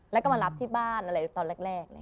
แล้วก็มารับที่บ้านอะไรตอนแรก